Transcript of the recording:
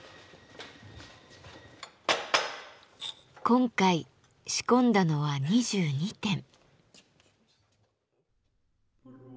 今回仕込んだのは２２点。